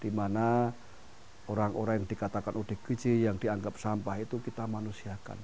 dimana orang orang yang dikatakan odgj yang dianggap sampah itu kita manusiakan